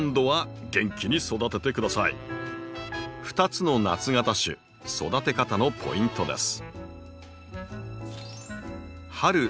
２つの夏型種育て方のポイントです。